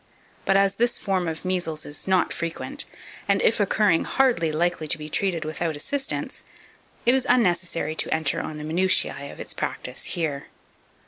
But, as this form of measles is not frequent, and, if occurring, hardly likely to be treated without assistance, it is unnecessary to enter on the minutiae of its practice here.